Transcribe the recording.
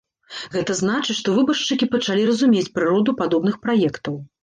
Гэта значыць, што выбаршчыкі пачалі разумець прыроду падобных праектаў.